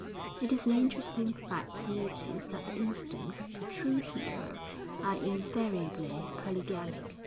It is an interesting fact to notice that the instincts of the true hero are invariably polygamic....